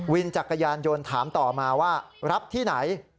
วินจักรยานยนต์ถามต่อมาว่ารับที่ไหน